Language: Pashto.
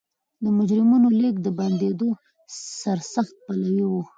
د مجرمینو لېږد د بندېدو سرسخت پلوی و.